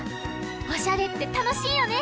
おしゃれってたのしいよね？